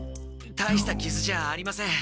大したキズじゃありません。